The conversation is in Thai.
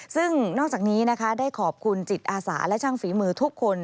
ซึ่งนอกจากนี้นะคะได้ขอบคุณจิตอาสาและช่างฝีมือทุกคน